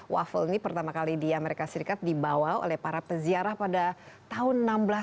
waffle ini pertama kali di amerika serikat dibawa oleh para peziarah pada tahun seribu enam ratus delapan puluh